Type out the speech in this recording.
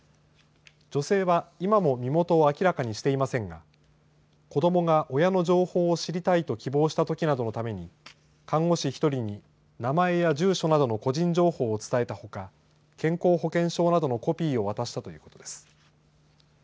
女性は今も身元を明らかにしていませんが子どもが親の情報を知りたいと希望したときなどのために看護師１人に名前や住所などの個人情報を伝えたほか健康保険証などのコピーを渡したということです。